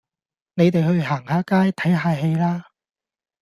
你哋去行下街，睇下戲啦